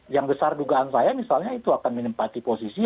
yang besar dugaan saya misalnya itu akan menempati posisi